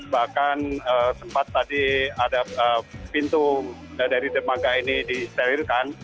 bahkan sempat tadi ada pintu dari jermaka ini diserirkan